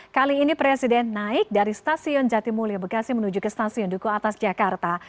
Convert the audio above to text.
kali ini presiden naik dari stasiun jatimulia bekasi menuju ke stasiun duku atas jakarta